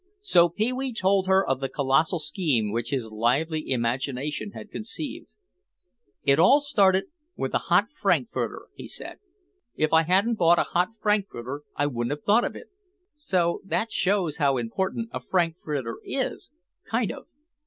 So Pee wee told her of the colossal scheme which his lively imagination had conceived. "It all started with a hot frankfurter," he said. "If I hadn't bought a hot frankfurter I wouldn't have thought of it. So that shows you how important a frankfurter is—kind of.